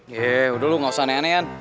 ye udah lo gak usah ne anean